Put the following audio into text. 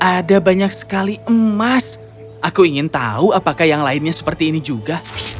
ada banyak sekali emas aku ingin tahu apakah yang lainnya seperti ini juga